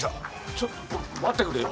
ちょっと待ってくれよ。